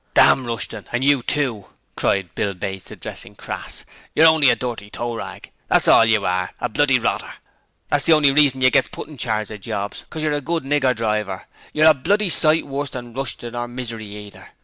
'Damn Rushton, and you too!' cried Bill Bates, addressing Crass. 'You're only a dirty toe rag! That's all you are a bloody rotter! That's the only reason you gets put in charge of jobs 'cos you're a good nigger driver! You're a bloody sight worse than Rushton or Misery either!